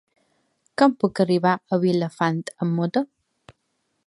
Com puc arribar a Vilafant amb moto?